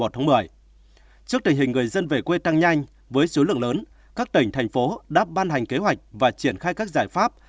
trước tình hình người dân về quê tăng nhanh với số lượng lớn các tỉnh thành phố đã ban hành kế hoạch và triển khai các giải pháp